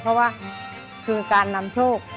เพราะว่าคือการนำโชค